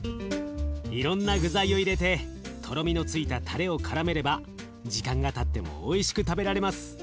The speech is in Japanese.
いろんな具材を入れてとろみのついたたれをからめれば時間がたってもおいしく食べられます。